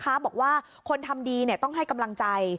บอกว่าคนทำดีต้องให้กำลังใจ